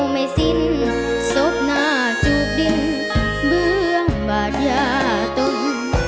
ไม่สิ้นศพหน้าจูบดินเบื้องบาดยาตุ้ม